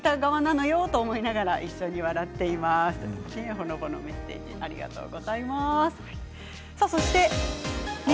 ほのぼのメッセージありがとうございました。